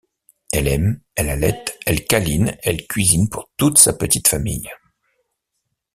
Elle aime, elle allaite, elle câline, elle cuisine pour toute sa petite famille...